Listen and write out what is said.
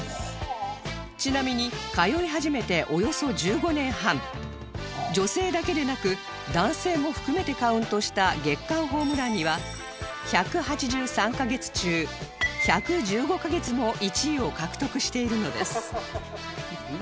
ちなみに通い始めておよそ１５年半女性だけでなく男性も含めてカウントした月間ホームランには１８３カ月中１１５カ月も１位を獲得しているのです